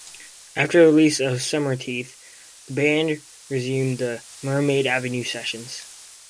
After the release of "Summerteeth", the band resumed the "Mermaid Avenue" sessions.